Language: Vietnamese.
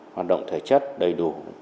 hoạt động thể chất đầy đủ